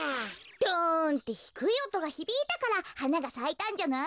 ドンってひくいおとがひびいたからはながさいたんじゃない？